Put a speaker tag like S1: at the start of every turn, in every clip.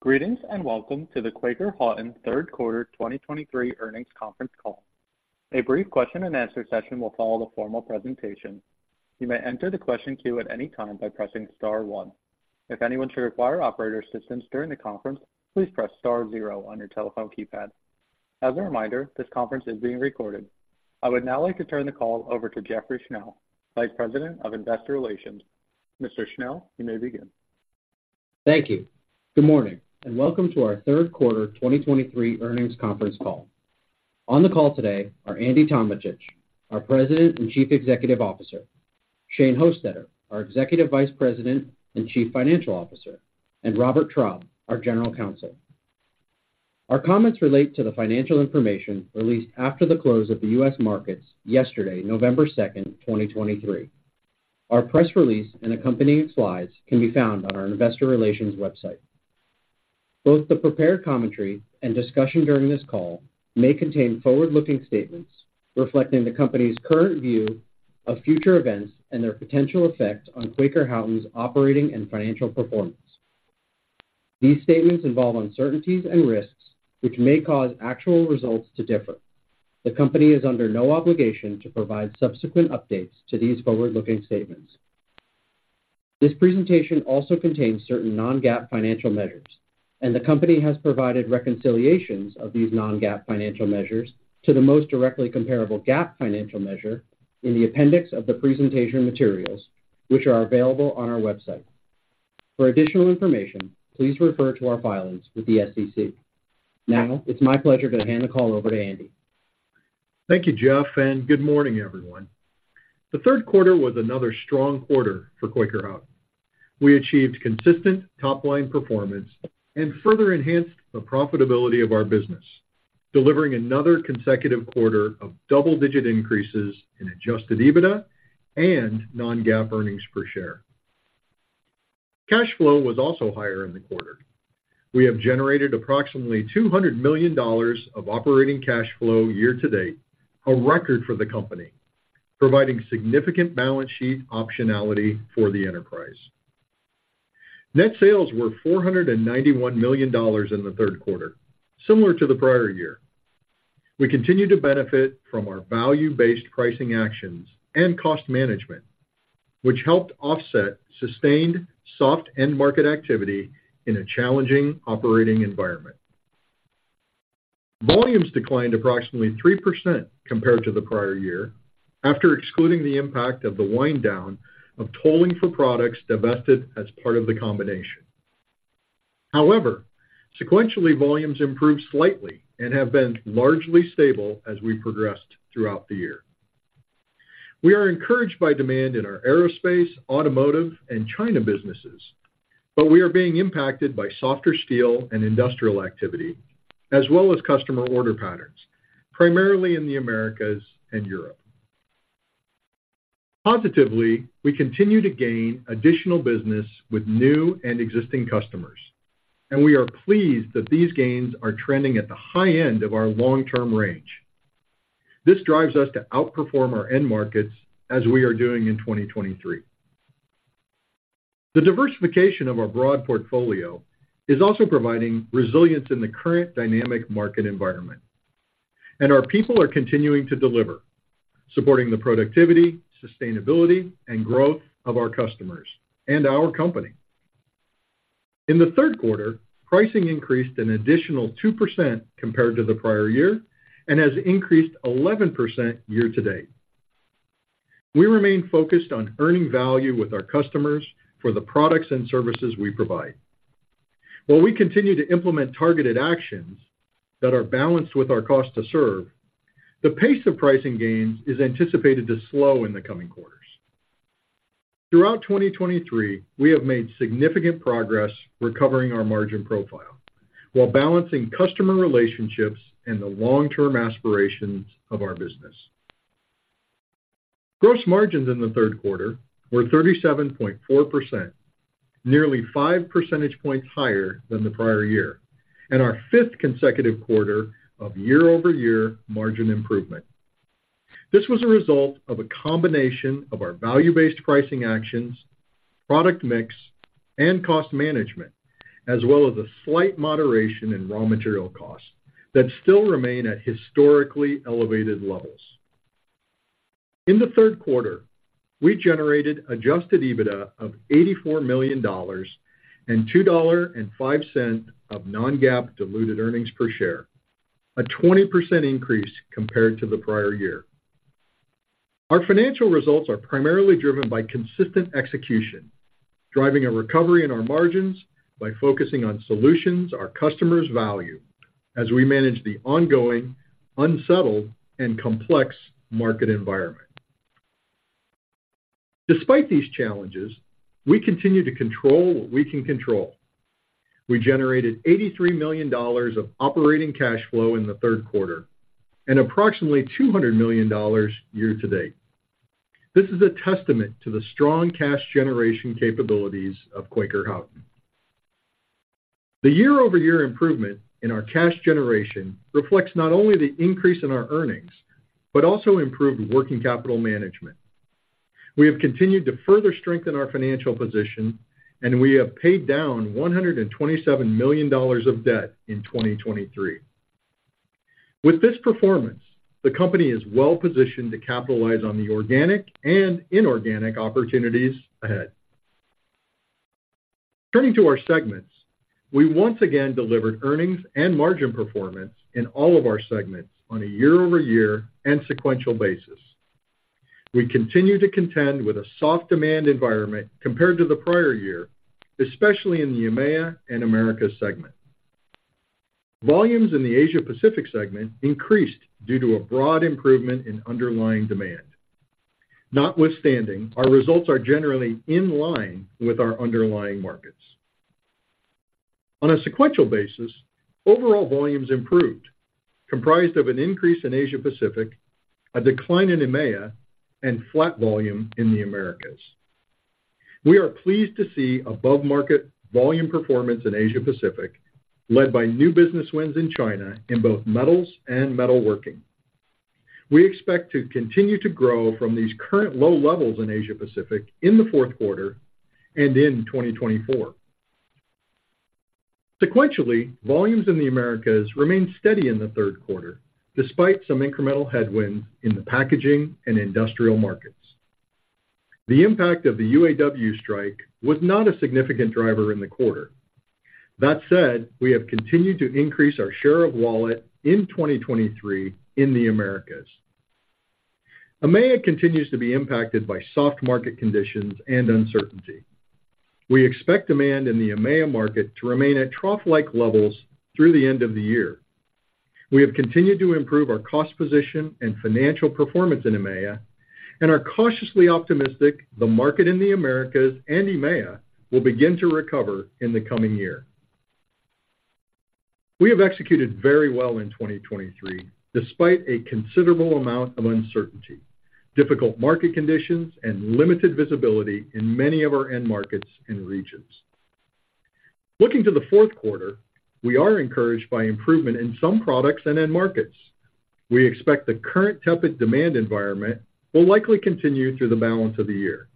S1: Greetings, and welcome to the Quaker Houghton third quarter 2023 earnings conference call. A brief question-and-answer session will follow the formal presentation. You may enter the question queue at any time by pressing star one. If anyone should require operator assistance during the conference, please press star zero on your telephone keypad. As a reminder, this conference is being recorded. I would now like to turn the call over to Jeffrey Schnell, Vice President of Investor Relations. Mr. Schnell, you may begin.
S2: Thank you. Good morning, and welcome to our third quarter 2023 earnings conference call. On the call today are Andy Tometich, our President and Chief Executive Officer, Shane Hostetter, our Executive Vice President and Chief Financial Officer, and Robert Traub, our General Counsel. Our comments relate to the financial information released after the close of the U.S. markets yesterday, November 2, 2023. Our press release and accompanying slides can be found on our investor relations website. Both the prepared commentary and discussion during this call may contain forward-looking statements reflecting the company's current view of future events and their potential effect on Quaker Houghton's operating and financial performance. These statements involve uncertainties and risks, which may cause actual results to differ. The company is under no obligation to provide subsequent updates to these forward-looking statements. This presentation also contains certain non-GAAP financial measures, and the company has provided reconciliations of these non-GAAP financial measures to the most directly comparable GAAP financial measure in the appendix of the presentation materials, which are available on our website. For additional information, please refer to our filings with the SEC. Now, it's my pleasure to hand the call over to Andy.
S3: Thank you, Jeff, and good morning, everyone. The third quarter was another strong quarter for Quaker Houghton. We achieved consistent top-line performance and further enhanced the profitability of our business, delivering another consecutive quarter of double-digit increases in Adjusted EBITDA and Non-GAAP earnings per share. Cash flow was also higher in the quarter. We have generated approximately $200 million of Operating Cash Flow year-to-date, a record for the company, providing significant balance sheet optionality for the enterprise. Net sales were $491 million in the third quarter, similar to the prior year. We continued to benefit from our value-based pricing actions and cost management, which helped offset sustained soft end market activity in a challenging operating environment. Volumes declined approximately 3% compared to the prior year, after excluding the impact of the wind down of tolling for products divested as part of the combination. However, sequentially, volumes improved slightly and have been largely stable as we progressed throughout the year. We are encouraged by demand in our aerospace, automotive, and China businesses, but we are being impacted by softer steel and industrial activity, as well as customer order patterns, primarily in the Americas and Europe. Positively, we continue to gain additional business with new and existing customers, and we are pleased that these gains are trending at the high end of our long-term range. This drives us to outperform our end markets as we are doing in 2023. The diversification of our broad portfolio is also providing resilience in the current dynamic market environment, and our people are continuing to deliver, supporting the productivity, sustainability, and growth of our customers and our company. In the third quarter, pricing increased an additional 2% compared to the prior year and has increased 11% year-to-date. We remain focused on earning value with our customers for the products and services we provide. While we continue to implement targeted actions that are balanced with our cost to serve, the pace of pricing gains is anticipated to slow in the coming quarters. Throughout 2023, we have made significant progress recovering our margin profile while balancing customer relationships and the long-term aspirations of our business. Gross margins in the third quarter were 37.4%, nearly five percentage points higher than the prior year, and our fifth consecutive quarter of year-over-year margin improvement. This was a result of a combination of our value-based pricing actions, product mix, and cost management, as well as a slight moderation in raw material costs that still remain at historically elevated levels. In the third quarter, we generated Adjusted EBITDA of $84 million and $2.05 of Non-GAAP diluted earnings per share, a 20% increase compared to the prior year. Our financial results are primarily driven by consistent execution, driving a recovery in our margins by focusing on solutions our customers value as we manage the ongoing, unsettled, and complex market environment. Despite these challenges, we continue to control what we can control. We generated $83 million of Operating Cash Flow in the third quarter and approximately $200 million year-to-date. This is a testament to the strong cash generation capabilities of Quaker Houghton. The year-over-year improvement in our cash generation reflects not only the increase in our earnings, but also improved working capital management. We have continued to further strengthen our financial position, and we have paid down $127 million of debt in 2023. With this performance, the company is well-positioned to capitalize on the organic and inorganic opportunities ahead. Turning to our segments, we once again delivered earnings and margin performance in all of our segments on a year-over-year and sequential basis. We continue to contend with a soft demand environment compared to the prior year, especially in the EMEA and Americas segment. Volumes in the Asia Pacific segment increased due to a broad improvement in underlying demand. Notwithstanding, our results are generally in line with our underlying markets. On a sequential basis, overall volumes improved, comprised of an increase in Asia Pacific, a decline in EMEA, and flat volume in the Americas. We are pleased to see above-market volume performance in Asia Pacific, led by new business wins in China in both metals and metalworking. We expect to continue to grow from these current low levels in Asia Pacific in the fourth quarter and in 2024. Sequentially, volumes in the Americas remained steady in the third quarter, despite some incremental headwinds in the packaging and industrial markets. The impact of the UAW strike was not a significant driver in the quarter. That said, we have continued to increase our share of wallet in 2023 in the Americas. EMEA continues to be impacted by soft market conditions and uncertainty. We expect demand in the EMEA market to remain at trough-like levels through the end of the year. We have continued to improve our cost position and financial performance in EMEA, and are cautiously optimistic the market in the Americas and EMEA will begin to recover in the coming year. We have executed very well in 2023, despite a considerable amount of uncertainty, difficult market conditions, and limited visibility in many of our end markets and regions. Looking to the fourth quarter, we are encouraged by improvement in some products and end markets. We expect the current tepid demand environment will likely continue through the balance of the year.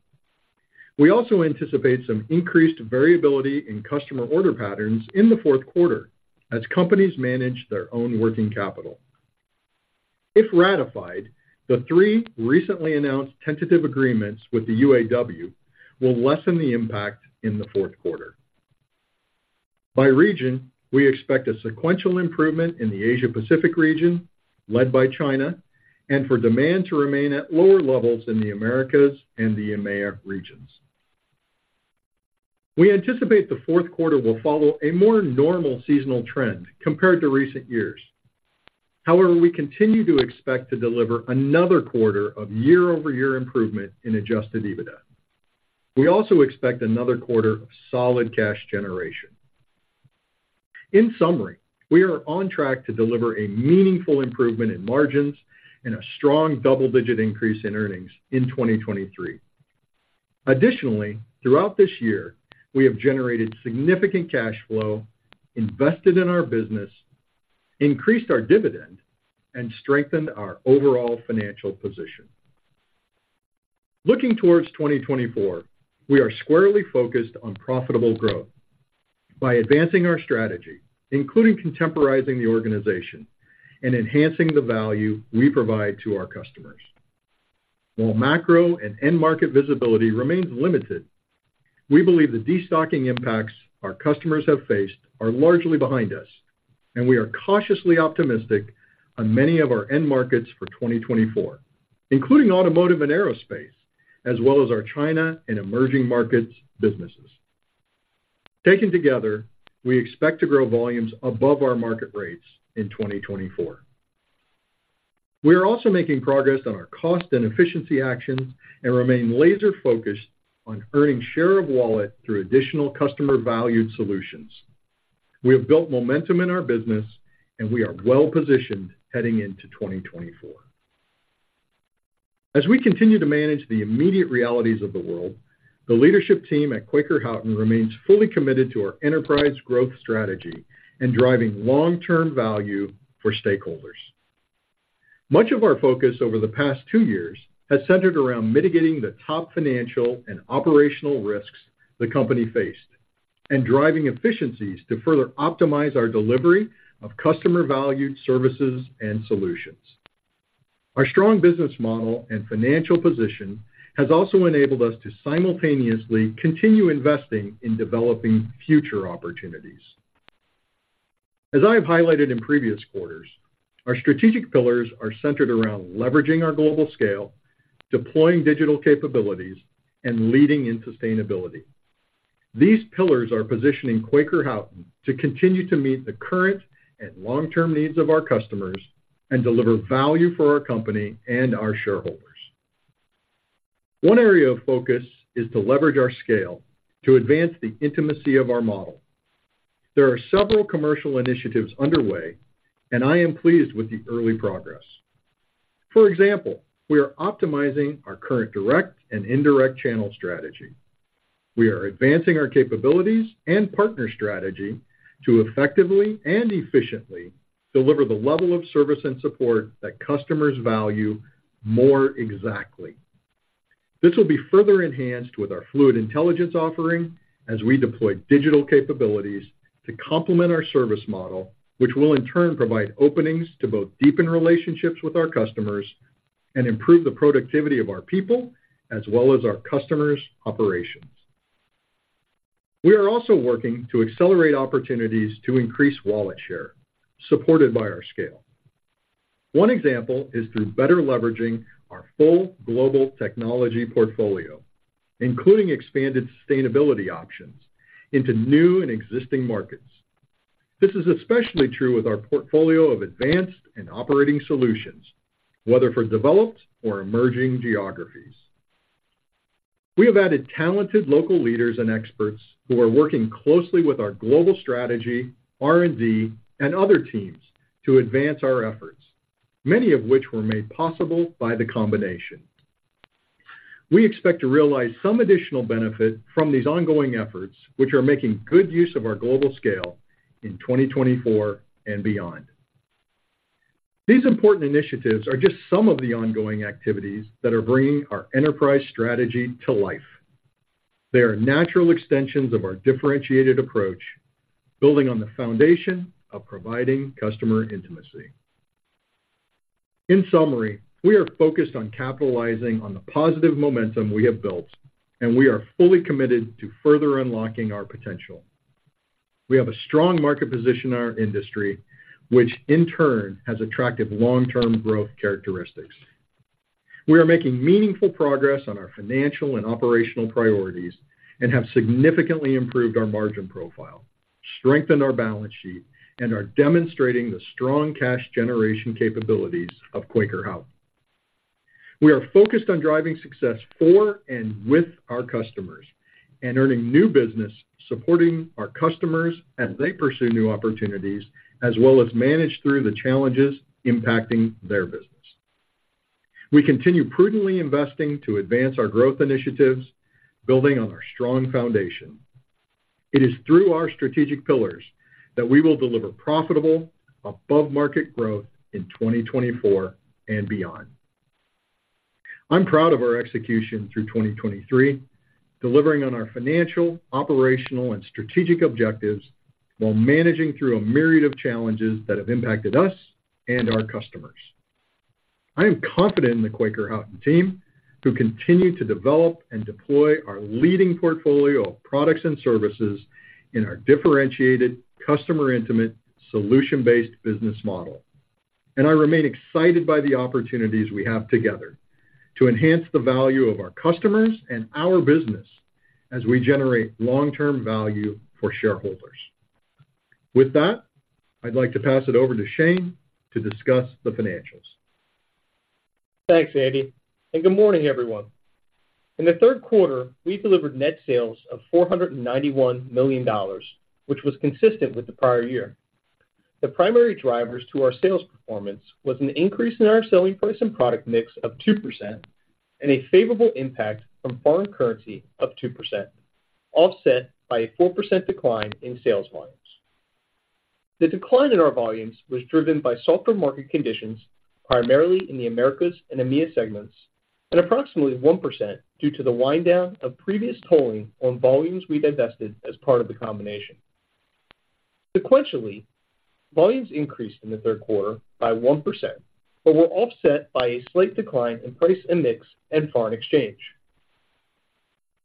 S3: We also anticipate some increased variability in customer order patterns in the fourth quarter as companies manage their own working capital. If ratified, the three recently announced tentative agreements with the UAW will lessen the impact in the fourth quarter. By region, we expect a sequential improvement in the Asia Pacific region, led by China, and for demand to remain at lower levels in the Americas and the EMEA regions. We anticipate the fourth quarter will follow a more normal seasonal trend compared to recent years. However, we continue to expect to deliver another quarter of year-over-year improvement in Adjusted EBITDA. We also expect another quarter of solid cash generation. In summary, we are on track to deliver a meaningful improvement in margins and a strong double-digit increase in earnings in 2023. Additionally, throughout this year, we have generated significant cash flow, invested in our business, increased our dividend, and strengthened our overall financial position. Looking towards 2024, we are squarely focused on profitable growth by advancing our strategy, including contemporizing the organization and enhancing the value we provide to our customers. While macro and end market visibility remains limited, we believe the destocking impacts our customers have faced are largely behind us, and we are cautiously optimistic on many of our end markets for 2024, including automotive and aerospace, as well as our China and emerging markets businesses. Taken together, we expect to grow volumes above our market rates in 2024. We are also making progress on our cost and efficiency actions and remain laser-focused on earning share of wallet through additional customer-valued solutions. We have built momentum in our business, and we are well-positioned heading into 2024. As we continue to manage the immediate realities of the world, the leadership team at Quaker Houghton remains fully committed to our enterprise growth strategy and driving long-term value for stakeholders. Much of our focus over the past two years has centered around mitigating the top financial and operational risks the company faced, and driving efficiencies to further optimize our delivery of customer-valued services and solutions. Our strong business model and financial position has also enabled us to simultaneously continue investing in developing future opportunities. As I have highlighted in previous quarters, our strategic pillars are centered around leveraging our global scale, deploying digital capabilities, and leading in sustainability. These pillars are positioning Quaker Houghton to continue to meet the current and long-term needs of our customers and deliver value for our company and our shareholders. One area of focus is to leverage our scale to advance the intimacy of our model. There are several commercial initiatives underway, and I am pleased with the early progress. For example, we are optimizing our current direct and indirect channel strategy.... We are advancing our capabilities and partner strategy to effectively and efficiently deliver the level of service and support that customers value more exactly. This will be further enhanced with our Fluid Intelligence offering as we deploy digital capabilities to complement our service model, which will in turn provide openings to both deepen relationships with our customers and improve the productivity of our people, as well as our customers' operations. We are also working to accelerate opportunities to increase wallet share, supported by our scale. One example is through better leveraging our full global technology portfolio, including expanded sustainability options into new and existing markets. This is especially true with our portfolio of advanced and operating solutions, whether for developed or emerging geographies. We have added talented local leaders and experts who are working closely with our global strategy, R&D, and other teams to advance our efforts, many of which were made possible by the combination. We expect to realize some additional benefit from these ongoing efforts, which are making good use of our global scale in 2024 and beyond. These important initiatives are just some of the ongoing activities that are bringing our enterprise strategy to life. They are natural extensions of our differentiated approach, building on the foundation of providing customer intimacy. In summary, we are focused on capitalizing on the positive momentum we have built, and we are fully committed to further unlocking our potential. We have a strong market position in our industry, which in turn has attractive long-term growth characteristics. We are making meaningful progress on our financial and operational priorities and have significantly improved our margin profile, strengthened our balance sheet, and are demonstrating the strong cash generation capabilities of Quaker Houghton. We are focused on driving success for and with our customers, and earning new business, supporting our customers as they pursue new opportunities, as well as manage through the challenges impacting their business. We continue prudently investing to advance our growth initiatives, building on our strong foundation. It is through our strategic pillars that we will deliver profitable, above-market growth in 2024 and beyond. I'm proud of our execution through 2023, delivering on our financial, operational, and strategic objectives while managing through a myriad of challenges that have impacted us and our customers. I am confident in the Quaker Houghton team, who continue to develop and deploy our leading portfolio of products and services in our differentiated, customer-intimate, solution-based business model. I remain excited by the opportunities we have together to enhance the value of our customers and our business as we generate long-term value for shareholders. With that, I'd like to pass it over to Shane to discuss the financials.
S4: Thanks, Andy, and good morning, everyone. In the third quarter, we delivered net sales of $491 million, which was consistent with the prior year. The primary drivers to our sales performance was an increase in our selling price and product mix of 2% and a favorable impact from foreign currency of 2%, offset by a 4% decline in sales volumes. The decline in our volumes was driven by softer market conditions, primarily in the Americas and EMEA segments, and approximately 1% due to the wind down of previous tolling on volumes we divested as part of the combination. Sequentially, volumes increased in the third quarter by 1%, but were offset by a slight decline in price and mix and foreign exchange.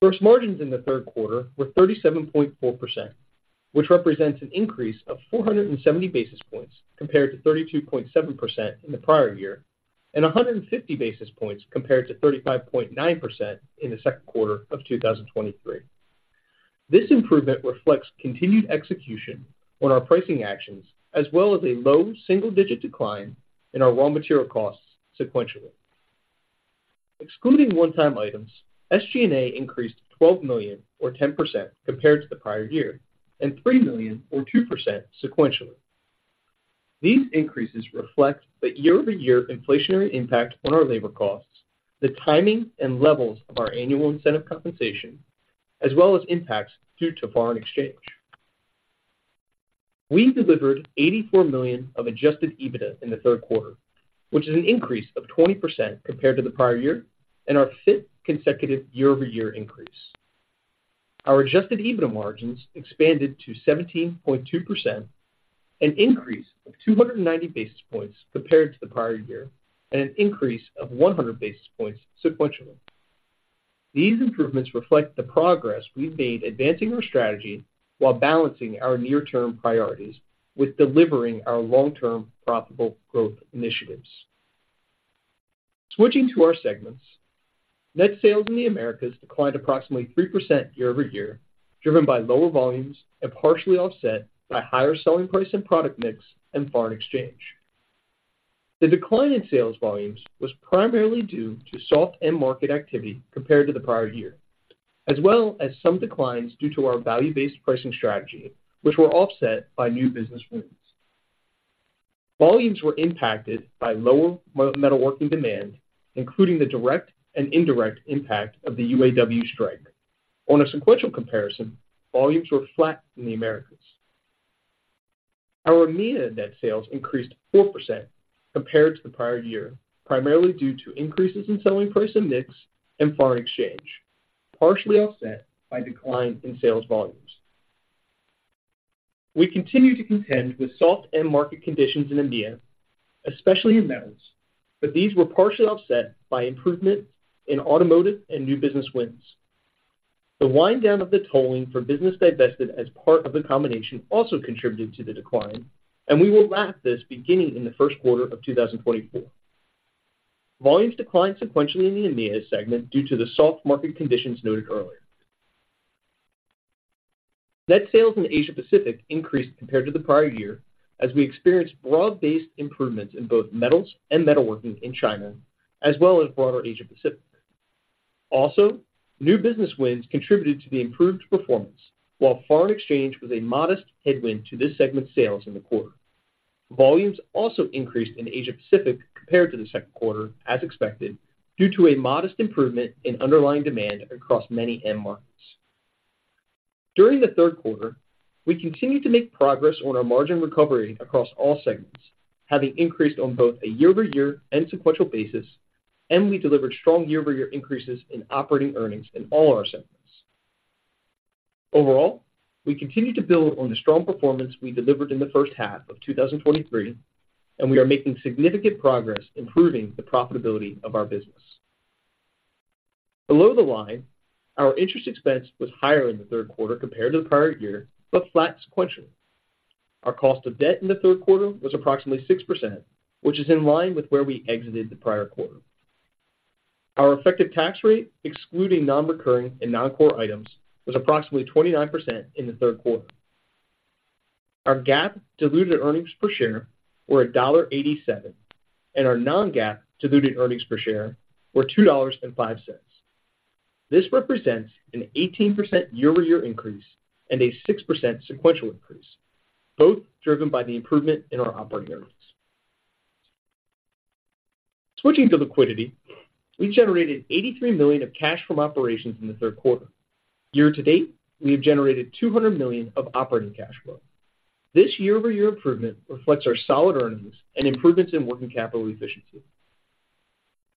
S4: Gross margins in the third quarter were 37.4%, which represents an increase of 470 basis points compared to 32.7% in the prior year, and 150 basis points compared to 35.9% in the second quarter of 2023. This improvement reflects continued execution on our pricing actions, as well as a low single-digit decline in our raw material costs sequentially. Excluding one-time items, SG&A increased $12 million or 10% compared to the prior year, and $3 million or 2% sequentially. These increases reflect the year-over-year inflationary impact on our labor costs, the timing and levels of our annual incentive compensation, as well as impacts due to foreign exchange. We delivered $84 million of Adjusted EBITDA in the third quarter, which is an increase of 20% compared to the prior year and our fifth consecutive year-over-year increase. Our Adjusted EBITDA margins expanded to 17.2%, an increase of 290 basis points compared to the prior year, and an increase of 100 basis points sequentially. These improvements reflect the progress we've made advancing our strategy while balancing our near-term priorities with delivering our long-term profitable growth initiatives. Switching to our segments. Net sales in the Americas declined approximately 3% year-over-year, driven by lower volumes and partially offset by higher selling price and product mix and foreign exchange. The decline in sales volumes was primarily due to soft end market activity compared to the prior year, as well as some declines due to our value-based pricing strategy, which were offset by new business wins.... Volumes were impacted by lower metalworking demand, including the direct and indirect impact of the UAW strike. On a sequential comparison, volumes were flat in the Americas. Our EMEA net sales increased 4% compared to the prior year, primarily due to increases in selling price and mix and foreign exchange, partially offset by decline in sales volumes. We continue to contend with soft end market conditions in EMEA, especially in metals, but these were partially offset by improvement in automotive and new business wins. The wind down of the tolling for business divested as part of the combination also contributed to the decline, and we will lap this beginning in the first quarter of 2024. Volumes declined sequentially in the EMEA segment due to the soft market conditions noted earlier. Net sales in Asia Pacific increased compared to the prior year, as we experienced broad-based improvements in both metals and metalworking in China, as well as broader Asia Pacific. Also, new business wins contributed to the improved performance, while foreign exchange was a modest headwind to this segment's sales in the quarter. Volumes also increased in Asia Pacific compared to the second quarter, as expected, due to a modest improvement in underlying demand across many end markets. During the third quarter, we continued to make progress on our margin recovery across all segments, having increased on both a year-over-year and sequential basis, and we delivered strong year-over-year increases in operating earnings in all our segments. Overall, we continue to build on the strong performance we delivered in the first half of 2023, and we are making significant progress improving the profitability of our business. Below the line, our interest expense was higher in the third quarter compared to the prior year, but flat sequentially. Our cost of debt in the third quarter was approximately 6%, which is in line with where we exited the prior quarter. Our effective tax rate, excluding nonrecurring and non-core items, was approximately 29% in the third quarter. Our GAAP diluted earnings per share were $1.87, and our non-GAAP diluted earnings per share were $2.05. This represents an 18% year-over-year increase and a 6% sequential increase, both driven by the improvement in our operating earnings. Switching to liquidity, we generated $83 million of cash from operations in the third quarter. Year-to-date, we have generated $200 million of Operating Cash Flow. This year-over-year improvement reflects our solid earnings and improvements in working capital efficiency.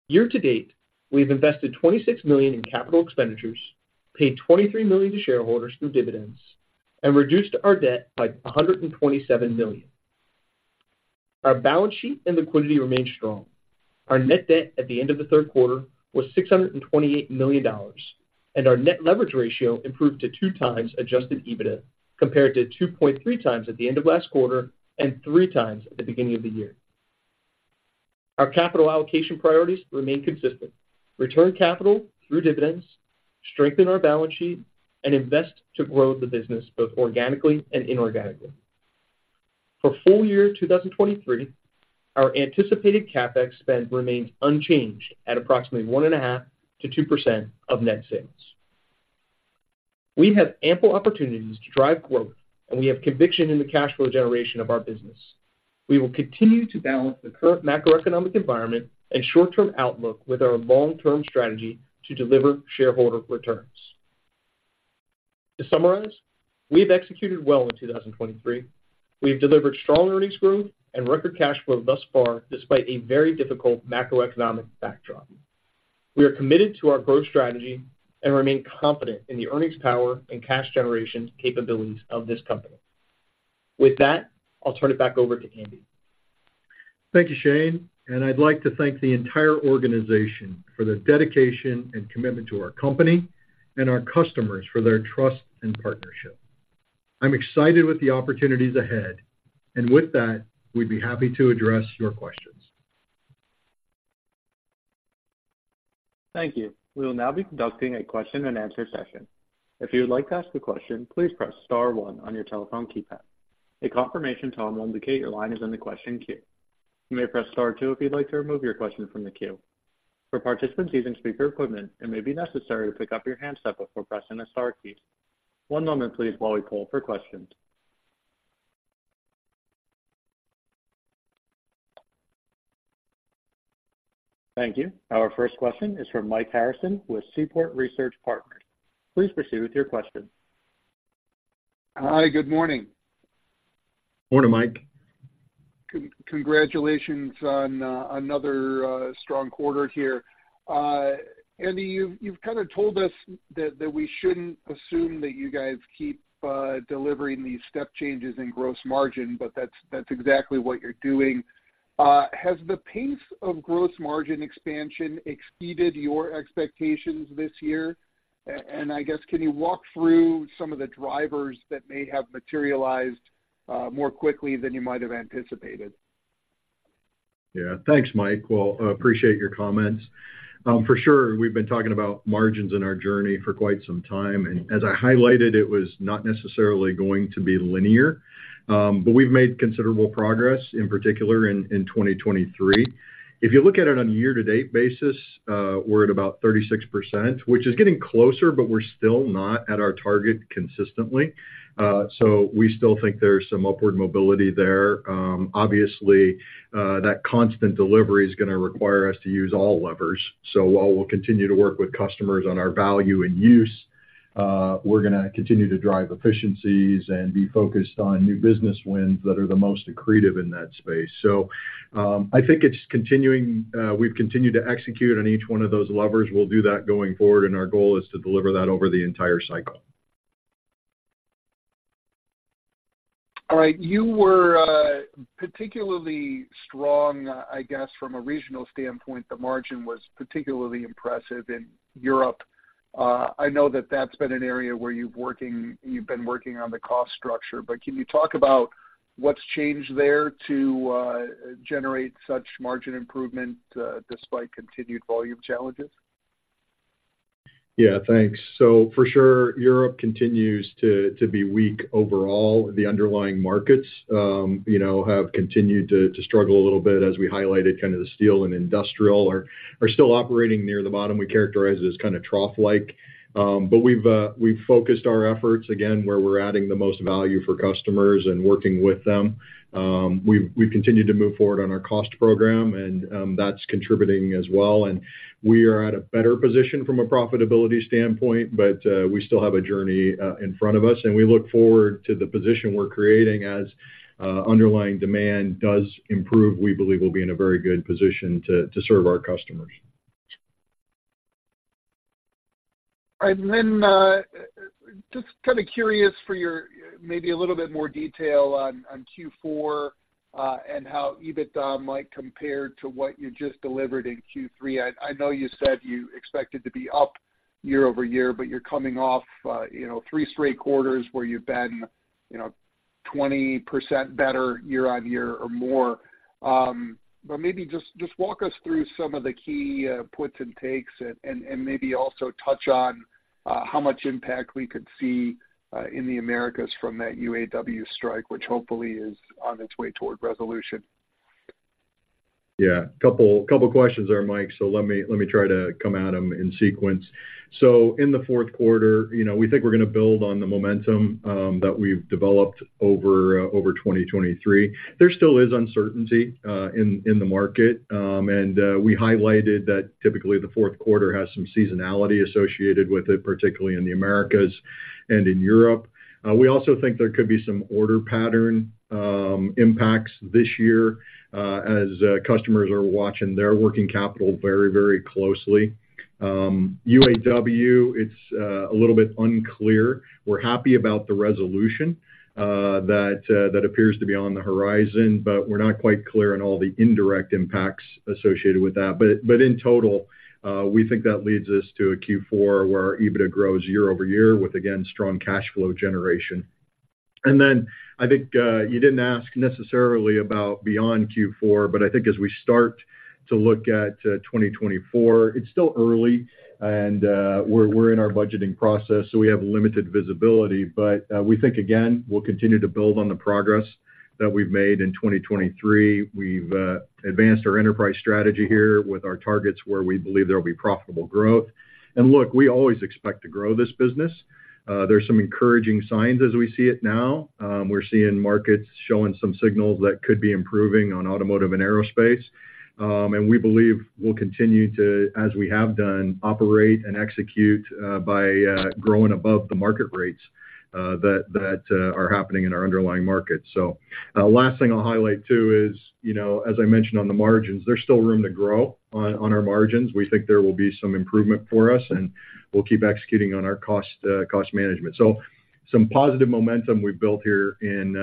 S4: Year-to-date, we've invested $26 million in capital expenditures, paid $23 million to shareholders through dividends, and reduced our debt by $127 million. Our balance sheet and liquidity remain strong. Our net debt at the end of the third quarter was $628 million, and our net leverage ratio improved to 2x Adjusted EBITDA, compared to 2.3x at the end of last quarter and 3x at the beginning of the year. Our capital allocation priorities remain consistent: return capital through dividends, strengthen our balance sheet, and invest to grow the business, both organically and inorganically. For full year 2023, our anticipated CapEx spend remains unchanged at approximately 1.5%-2% of net sales. We have ample opportunities to drive growth, and we have conviction in the cash flow generation of our business. We will continue to balance the current macroeconomic environment and short-term outlook with our long-term strategy to deliver shareholder returns. To summarize, we have executed well in 2023. We have delivered strong earnings growth and record cash flow thus far, despite a very difficult macroeconomic backdrop. We are committed to our growth strategy and remain confident in the earnings power and cash generation capabilities of this company. With that, I'll turn it back over to Andy.
S3: Thank you, Shane, and I'd like to thank the entire organization for their dedication and commitment to our company, and our customers for their trust and partnership. I'm excited with the opportunities ahead, and with that, we'd be happy to address your questions.
S1: Thank you. We will now be conducting a question-and-answer session. If you would like to ask a question, please press star one on your telephone keypad. A confirmation tone will indicate your line is in the question queue. You may press Star two if you'd like to remove your question from the queue. For participants using speaker equipment, it may be necessary to pick up your handset before pressing the star key. One moment, please, while we poll for questions. Thank you. Our first question is from Mike Harrison with Seaport Research Partners. Please proceed with your question.
S5: Hi, good morning.
S3: Morning, Mike.
S5: Congratulations on another strong quarter here. Andy, you've kind of told us that we shouldn't assume that you guys keep delivering these step changes in Gross Margin, but that's exactly what you're doing. Has the pace of Gross Margin expansion exceeded your expectations this year? And I guess, can you walk through some of the drivers that may have materialized more quickly than you might have anticipated?
S3: Yeah. Thanks, Mike. Well, I appreciate your comments. For sure, we've been talking about margins in our journey for quite some time, and as I highlighted, it was not necessarily going to be linear, but we've made considerable progress, in particular in 2023. If you look at it on a year-to-date basis, we're at about 36%, which is getting closer, but we're still not at our target consistently. So we still think there's some upward mobility there. Obviously, that constant delivery is gonna require us to use all levers. So while we'll continue to work with customers on our value-in-use, we're gonna continue to drive efficiencies and be focused on new business wins that are the most accretive in that space. So, I think it's continuing. We've continued to execute on each one of those levers. We'll do that going forward, and our goal is to deliver that over the entire cycle.
S5: All right. You were particularly strong, I guess, from a regional standpoint. The margin was particularly impressive in Europe. I know that that's been an area where you've been working on the cost structure, but can you talk about what's changed there to generate such margin improvement despite continued volume challenges?
S3: Yeah, thanks. So for sure, Europe continues to be weak overall. The underlying markets, you know, have continued to struggle a little bit, as we highlighted, kind of the steel and industrial are still operating near the bottom. We characterize it as kind of trough-like. But we've focused our efforts, again, where we're adding the most value for customers and working with them. We've continued to move forward on our cost program, and that's contributing as well. And we are at a better position from a profitability standpoint, but we still have a journey in front of us, and we look forward to the position we're creating. As underlying demand does improve, we believe we'll be in a very good position to serve our customers.
S5: All right. And then, just kind of curious for your, maybe a little bit more detail on Q4, and how EBITDA might compare to what you just delivered in Q3. I, I know you said you expected to be up year-over-year, but you're coming off, you know, three straight quarters where you've been, you know, 20% better year-over-year or more. But maybe just walk us through some of the key puts and takes and maybe also touch on how much impact we could see in the Americas from that UAW strike, which hopefully is on its way toward resolution.
S3: Yeah. Couple questions there, Mike, so let me try to come at them in sequence. So in the fourth quarter, you know, we think we're gonna build on the momentum that we've developed over 2023. There still is uncertainty in the market, and we highlighted that typically the fourth quarter has some seasonality associated with it, particularly in the Americas and in Europe. We also think there could be some order pattern impacts this year, as customers are watching their working capital very, very closely. UAW, it's a little bit unclear. We're happy about the resolution that appears to be on the horizon, but we're not quite clear on all the indirect impacts associated with that. But in total, we think that leads us to a Q4, where our EBITDA grows year-over-year, with, again, strong cash flow generation. And then I think, you didn't ask necessarily about beyond Q4, but I think as we start to look at, 2024, it's still early, and, we're in our budgeting process, so we have limited visibility. But we think, again, we'll continue to build on the progress that we've made in 2023. We've advanced our enterprise strategy here with our targets, where we believe there will be profitable growth. And look, we always expect to grow this business. There's some encouraging signs as we see it now. We're seeing markets showing some signals that could be improving on automotive and aerospace. And we believe we'll continue to, as we have done, operate and execute by growing above the market rates that are happening in our underlying markets. So, last thing I'll highlight too is, you know, as I mentioned on the margins, there's still room to grow on our margins. We think there will be some improvement for us, and we'll keep executing on our cost management. So some positive momentum we've built here in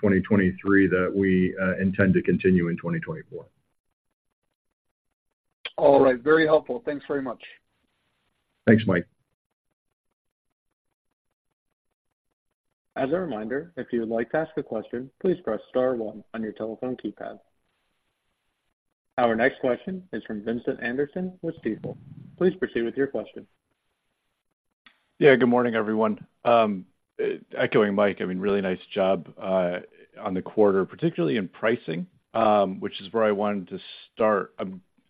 S3: 2023, that we intend to continue in 2024.
S5: All right. Very helpful. Thanks very much.
S3: Thanks, Mike.
S1: As a reminder, if you would like to ask a question, please press star one on your telephone keypad. Our next question is from Vincent Anderson with Stifel. Please proceed with your question.
S6: Yeah, good morning, everyone. Echoing Mike, I mean, really nice job on the quarter, particularly in pricing, which is where I wanted to start.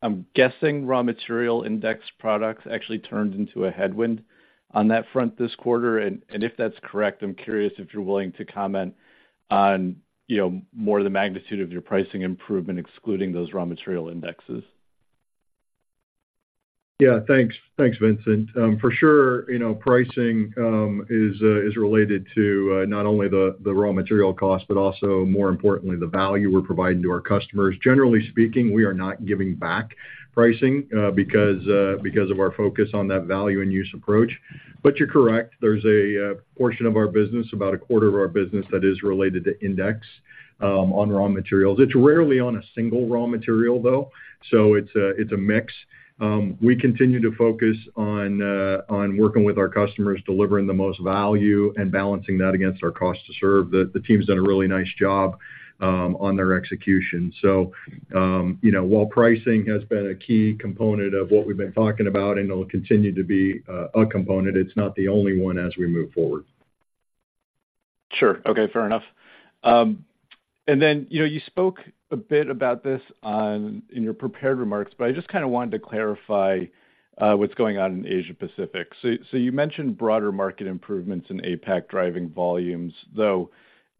S6: I'm guessing raw material index products actually turned into a headwind on that front this quarter. And if that's correct, I'm curious if you're willing to comment on, you know, more of the magnitude of your pricing improvement, excluding those raw material indexes.
S3: Yeah. Thanks. Thanks, Vincent. For sure, you know, pricing is related to not only the raw material cost, but also more importantly, the value we're providing to our customers. Generally speaking, we are not giving back pricing because of our focus on that value and use approach. But you're correct, there's a portion of our business, about a quarter of our business, that is related to index on raw materials. It's rarely on a single raw material, though, so it's a mix. We continue to focus on working with our customers, delivering the most value, and balancing that against our cost to serve. The team's done a really nice job on their execution. So, you know, while pricing has been a key component of what we've been talking about, and it'll continue to be, a component, it's not the only one as we move forward.
S6: Sure. Okay. Fair enough. ...And then, you know, you spoke a bit about this on, in your prepared remarks, but I just kind of wanted to clarify, what's going on in Asia Pacific. So you mentioned broader market improvements in APAC driving volumes, though, you know,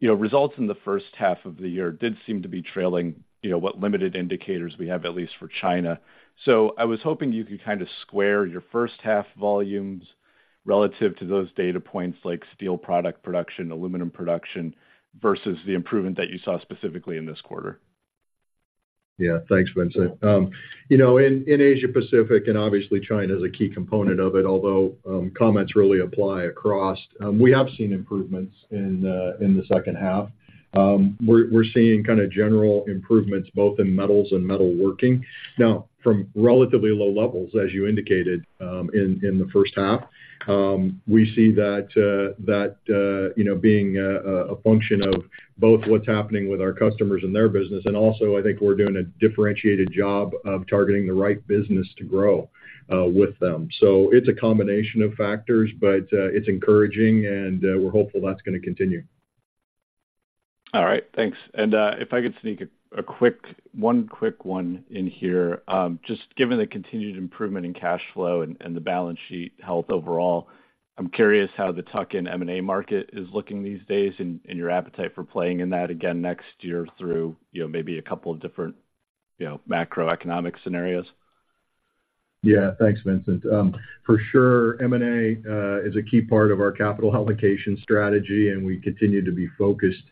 S6: results in the first half of the year did seem to be trailing, you know, what limited indicators we have, at least for China. So I was hoping you could kind of square your first half volumes relative to those data points like steel product production, aluminum production, versus the improvement that you saw specifically in this quarter.
S3: Yeah. Thanks, Vincent. You know, in Asia Pacific, and obviously China is a key component of it, although comments really apply across. We have seen improvements in the second half. We're seeing kind of general improvements both in metals and metal working. Now, from relatively low levels, as you indicated, in the first half, we see that you know, being a function of both what's happening with our customers and their business, and also I think we're doing a differentiated job of targeting the right business to grow with them. So it's a combination of factors, but it's encouraging, and we're hopeful that's gonna continue.
S6: All right. Thanks. If I could sneak one quick one in here. Just given the continued improvement in cash flow and the balance sheet health overall, I'm curious how the tuck-in M&A market is looking these days and your appetite for playing in that again next year through, you know, maybe a couple of different, you know, macroeconomic scenarios?
S3: Yeah. Thanks, Vincent. For sure, M&A is a key part of our capital allocation strategy, and we continue to be focused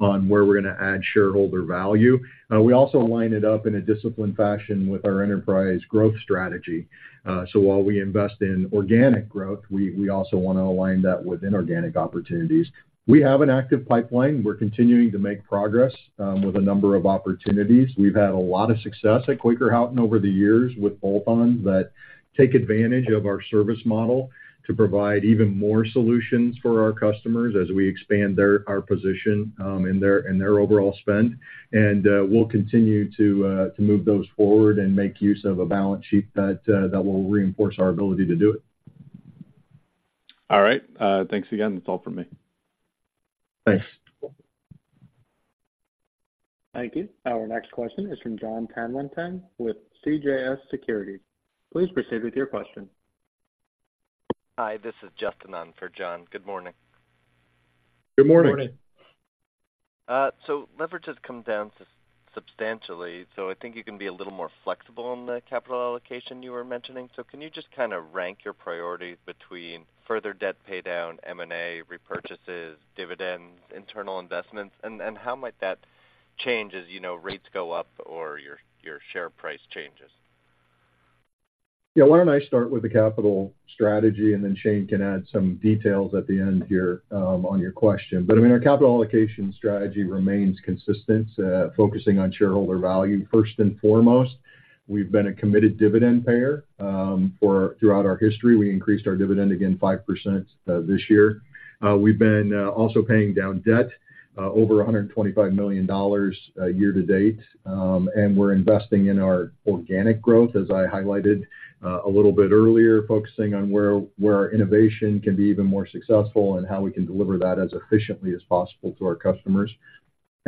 S3: on where we're gonna add shareholder value. We also line it up in a disciplined fashion with our enterprise growth strategy. So while we invest in organic growth, we, we also wanna align that with inorganic opportunities. We have an active pipeline. We're continuing to make progress with a number of opportunities. We've had a lot of success at Quaker Houghton over the years with bolt-ons that take advantage of our service model to provide even more solutions for our customers as we expand their-- our position in their, in their overall spend. And, we'll continue to move those forward and make use of a balance sheet that will reinforce our ability to do it.
S6: All right. Thanks again. That's all from me.
S3: Thanks.
S1: Thank you. Our next question is from John Tanwanteng with CJS Securities. Please proceed with your question.
S7: Hi, this is Justin on for John. Good morning.
S3: Good morning.
S7: So leverage has come down substantially, so I think you can be a little more flexible in the capital allocation you were mentioning. So can you just kind of rank your priorities between further debt paydown, M&A, repurchases, dividends, internal investments? And how might that change as, you know, rates go up or your share price changes?
S3: Yeah. Why don't I start with the capital strategy, and then Shane can add some details at the end here, on your question. But, I mean, our capital allocation strategy remains consistent, focusing on shareholder value first and foremost. We've been a committed dividend payer, for throughout our history. We increased our dividend again 5%, this year. We've been also paying down debt, over $125 million year to date. And we're investing in our organic growth, as I highlighted, a little bit earlier, focusing on where our innovation can be even more successful and how we can deliver that as efficiently as possible to our customers.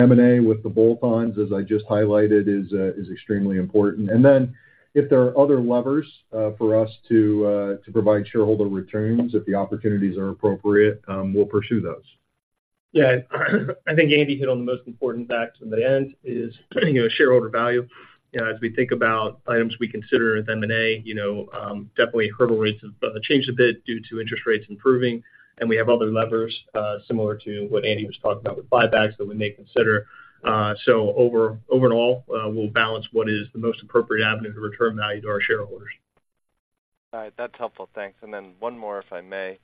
S3: M&A, with the bolt-ons, as I just highlighted, is extremely important. And then, if there are other levers for us to provide shareholder returns, if the opportunities are appropriate, we'll pursue those.
S4: Yeah. I think Andy hit on the most important facts, and that is, you know, shareholder value. You know, as we think about items we consider as M&A, you know, definitely hurdle rates have changed a bit due to interest rates improving, and we have other levers, similar to what Andy was talking about with buybacks that we may consider. So overall, we'll balance what is the most appropriate avenue to return value to our shareholders.
S7: All right. That's helpful. Thanks. And then one more, if I may.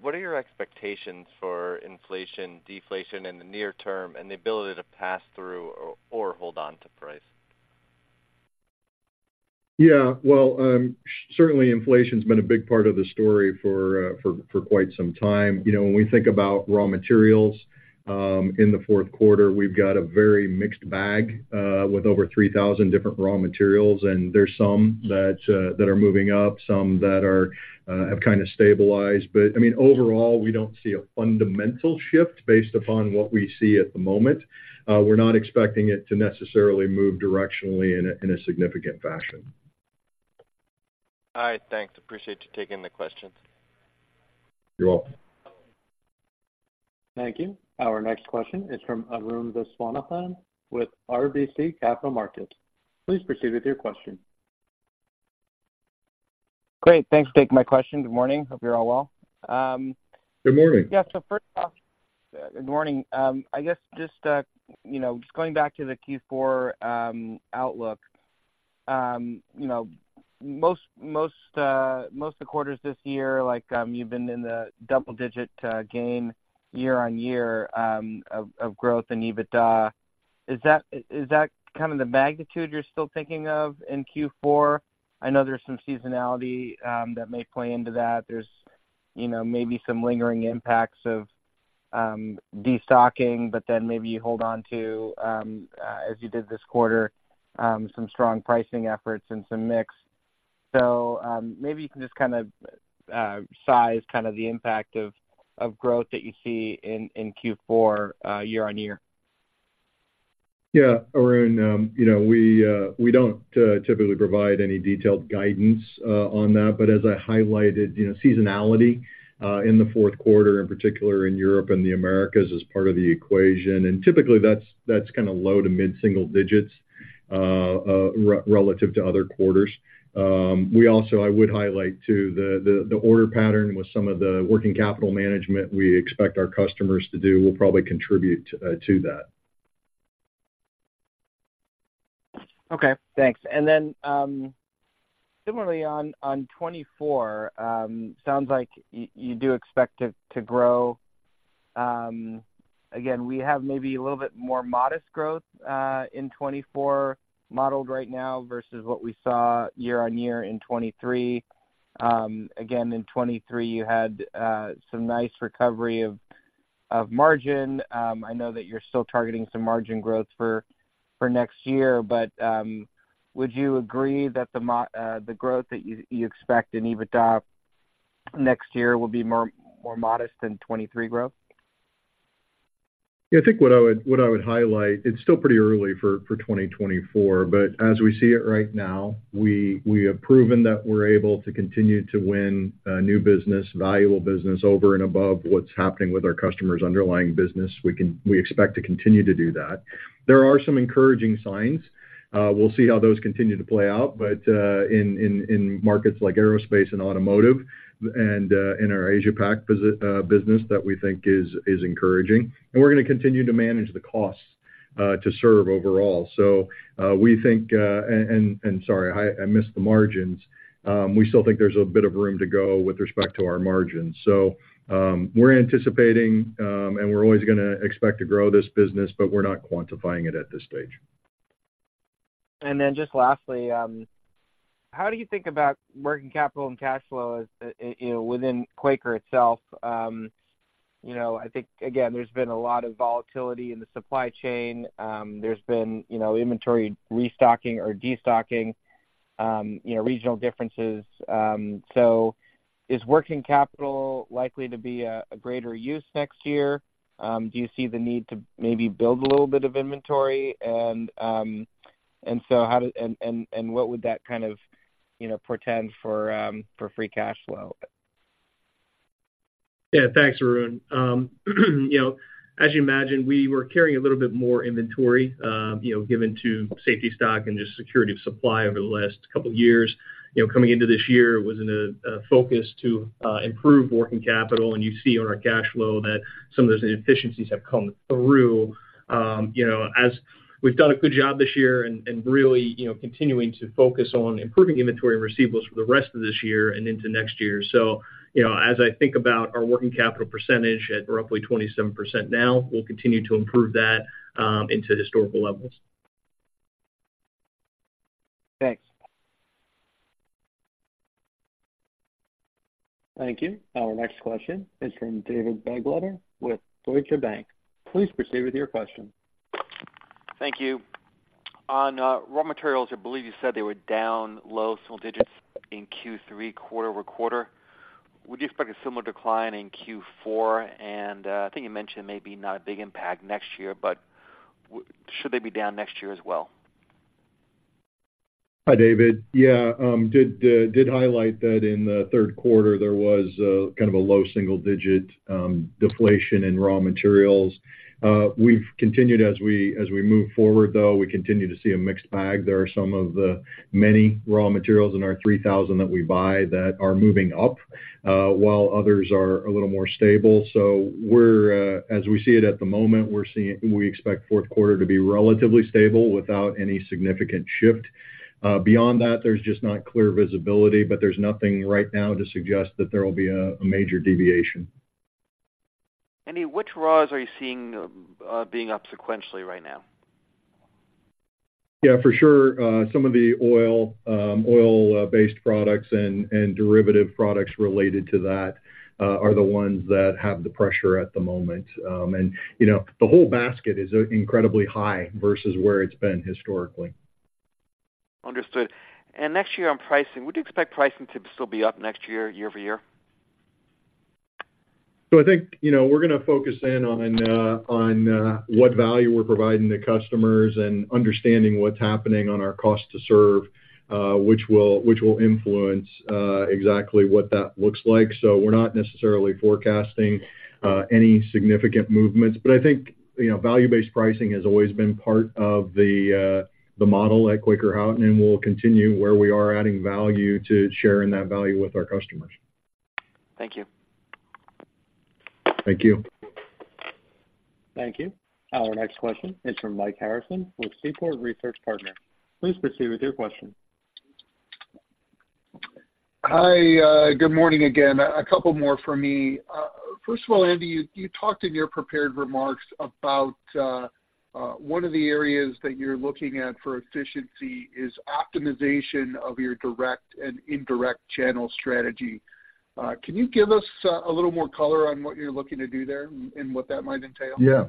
S7: What are your expectations for inflation, deflation in the near term, and the ability to pass through or, or hold on to price?
S3: Yeah. Well, certainly inflation's been a big part of the story for, for quite some time. You know, when we think about raw materials, in the fourth quarter, we've got a very mixed bag, with over 3,000 different raw materials, and there's some that, that are moving up, some that are, have kind of stabilized. But I mean, overall, we don't see a fundamental shift based upon what we see at the moment. We're not expecting it to necessarily move directionally in a, in a significant fashion.
S7: All right. Thanks. Appreciate you taking the question.
S3: You're welcome.
S1: Thank you. Our next question is from Arun Viswanathan with RBC Capital Markets. Please proceed with your question.
S8: Great. Thanks for taking my question. Good morning. Hope you're all well.
S3: Good morning.
S8: Yeah, so first off, good morning. I guess just, you know, just going back to the Q4 outlook, you know, most of the quarters this year, like, you've been in the double-digit gain year-on-year of growth in EBITDA. Is that kind of the magnitude you're still thinking of in Q4? I know there's some seasonality that may play into that. There's, you know, maybe some lingering impacts of destocking, but then maybe you hold on to, as you did this quarter, some strong pricing efforts and some mix.... So, maybe you can just kind of size kind of the impact of growth that you see in Q4, year-on-year?
S3: Yeah, Arun, you know, we, we don't typically provide any detailed guidance on that, but as I highlighted, you know, seasonality in the fourth quarter, in particular in Europe and the Americas, is part of the equation. And typically, that's kind of low to mid single digits relative to other quarters. We also, I would highlight, too, the order pattern with some of the working capital management we expect our customers to do will probably contribute to that.
S8: Okay, thanks. And then, similarly, on 2024, sounds like you do expect it to grow. Again, we have maybe a little bit more modest growth in 2024, modeled right now versus what we saw year-on-year in 2023. Again, in 2023, you had some nice recovery of margin. I know that you're still targeting some margin growth for next year, but would you agree that the growth that you expect in EBITDA next year will be more modest than 2023 growth?
S3: Yeah, I think what I would highlight, it's still pretty early for 2024, but as we see it right now, we have proven that we're able to continue to win new business, valuable business over and above what's happening with our customers' underlying business. We can. We expect to continue to do that. There are some encouraging signs. We'll see how those continue to play out, but in markets like aerospace and automotive and in our Asia Pac business that we think is encouraging. And we're gonna continue to manage the costs to serve overall. So, we think... And sorry, I missed the margins. We still think there's a bit of room to go with respect to our margins. We're anticipating, and we're always gonna expect to grow this business, but we're not quantifying it at this stage.
S8: And then just lastly, how do you think about working capital and cash flow, you know, within Quaker itself? You know, I think, again, there's been a lot of volatility in the supply chain. There's been, you know, inventory restocking or destocking, you know, regional differences. So is working capital likely to be a greater use next year? Do you see the need to maybe build a little bit of inventory? And what would that kind of, you know, portend for free cash flow?
S3: Yeah, thanks, Arun. You know, as you imagine, we were carrying a little bit more inventory, you know, given to safety stock and just security of supply over the last couple years. You know, coming into this year, it was in a focus to improve working capital, and you see on our cash flow that some of those inefficiencies have come through. You know, as we've done a good job this year and really, you know, continuing to focus on improving inventory and receivables for the rest of this year and into next year. So, you know, as I think about our working capital percentage at roughly 27% now, we'll continue to improve that into historical levels.
S8: Thanks.
S1: Thank you. Our next question is from David Begleiter with Deutsche Bank. Please proceed with your question.
S9: Thank you. On raw materials, I believe you said they were down low single digits in Q3, quarter-over-quarter. Would you expect a similar decline in Q4? And I think you mentioned maybe not a big impact next year, but should they be down next year as well?
S3: Hi, David. Yeah, did highlight that in the third quarter, there was a kind of a low single digit deflation in raw materials. We've continued as we move forward, though, we continue to see a mixed bag. There are some of the many raw materials in our 3,000 that we buy that are moving up, while others are a little more stable. So, as we see it at the moment, we're seeing -- we expect fourth quarter to be relatively stable without any significant shift. Beyond that, there's just not clear visibility, but there's nothing right now to suggest that there will be a major deviation.
S9: Andy, which raws are you seeing being up sequentially right now?
S3: Yeah, for sure, some of the oil-based products and derivative products related to that are the ones that have the pressure at the moment. And, you know, the whole basket is incredibly high versus where it's been historically.
S9: Understood. And next year on pricing, would you expect pricing to still be up next year, year over year?
S3: So I think, you know, we're gonna focus in on what value we're providing to customers and understanding what's happening on our cost to serve, which will influence exactly what that looks like. So we're not necessarily forecasting any significant movements. But I think, you know, value-based pricing has always been part of the model at Quaker Houghton, and we'll continue where we are adding value to sharing that value with our customers.
S9: Thank you.
S3: Thank you.
S1: Thank you. Our next question is from Mike Harrison with Seaport Research Partners. Please proceed with your question.
S5: Hi, good morning again. A couple more from me. First of all, Andy, you talked in your prepared remarks about one of the areas that you're looking at for efficiency is optimization of your direct and indirect channel strategy. Can you give us a little more color on what you're looking to do there and what that might entail?
S3: Yeah....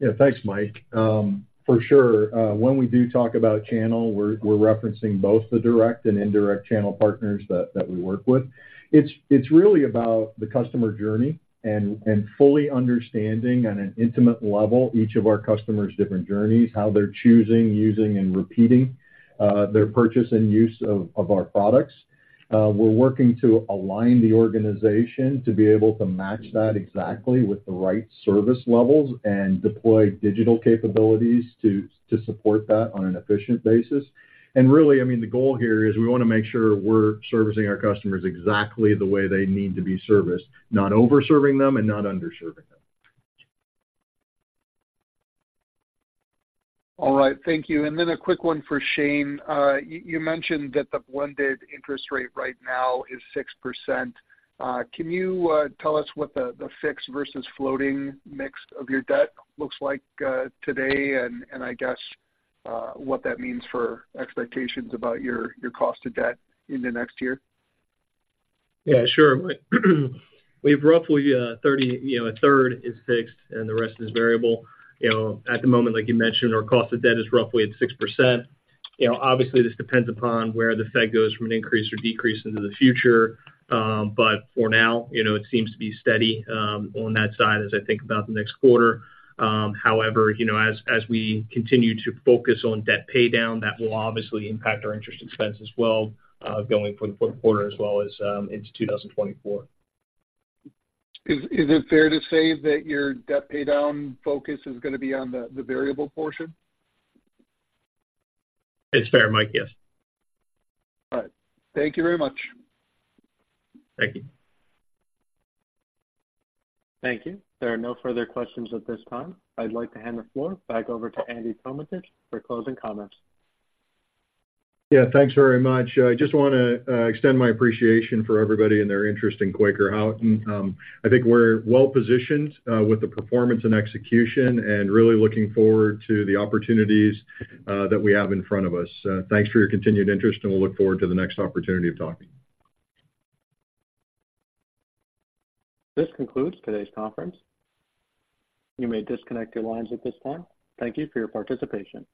S3: Yeah, thanks, Mike. For sure, when we do talk about channel, we're, we're referencing both the direct and indirect channel partners that, that we work with. It's, it's really about the customer journey and, and fully understanding on an intimate level, each of our customers' different journeys, how they're choosing, using, and repeating, their purchase and use of, of our products. We're working to align the organization to be able to match that exactly with the right service levels and deploy digital capabilities to, to support that on an efficient basis. And really, I mean, the goal here is we wanna make sure we're servicing our customers exactly the way they need to be serviced, not over-serving them and not under-serving them.
S5: All right. Thank you. And then a quick one for Shane. You mentioned that the blended interest rate right now is 6%. Can you tell us what the fixed versus floating mix of your debt looks like today? And I guess what that means for expectations about your cost of debt in the next year.
S4: Yeah, sure, Mike. We've roughly 30, you know, a third is fixed, and the rest is variable. You know, at the moment, like you mentioned, our cost of debt is roughly at 6%. You know, obviously, this depends upon where the Fed goes from an increase or decrease into the future. But for now, you know, it seems to be steady on that side as I think about the next quarter. However, you know, as we continue to focus on debt paydown, that will obviously impact our interest expense as well, going for the fourth quarter as well as into 2024.
S5: Is it fair to say that your debt paydown focus is gonna be on the variable portion?
S4: It's fair, Mike. Yes.
S5: All right. Thank you very much.
S4: Thank you.
S1: Thank you. There are no further questions at this time. I'd like to hand the floor back over to Andy Tometich for closing comments.
S3: Yeah, thanks very much. I just wanna extend my appreciation for everybody and their interest in Quaker Houghton. I think we're well-positioned with the performance and execution, and really looking forward to the opportunities that we have in front of us. Thanks for your continued interest, and we'll look forward to the next opportunity of talking.
S1: This concludes today's conference. You may disconnect your lines at this time. Thank you for your participation.